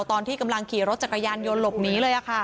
ตอนที่กำลังขี่รถจักรยานยนต์หลบหนีเลย